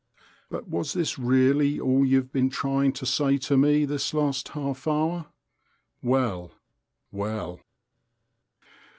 But was this really all you've been trying to say to me, this last half hour? Well, well!